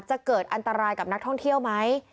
จะเกิดอันตรายกับนักท่องเที่ยวไหม